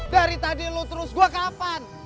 dari tadi lu terus gue kapan